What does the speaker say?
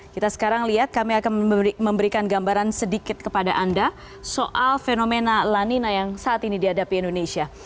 kita sekarang lihat kami akan memberikan gambaran sedikit kepada anda soal fenomena lanina yang saat ini dihadapi indonesia